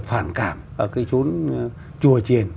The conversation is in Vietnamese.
phản cảm ở cái chốn chùa triền